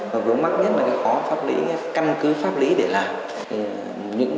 và vớn mắt nhất là cái khó pháp lý cái căn cứ pháp lý để làm